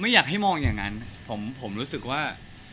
อยากให้มองอย่างนั้นผมรู้สึกว่า